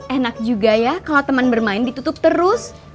enak juga ya kalau teman bermain ditutup terus